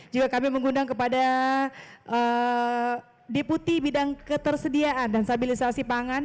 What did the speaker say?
juga kami mengundang kepada deputi bidang ketersediaan dan stabilisasi pangan